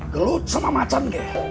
gelut sama macam